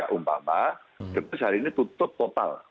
kemudian sehari ini tutup total